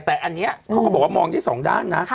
แต่อันนี้เขาก็บอกว่ามองได้สองด้านนะ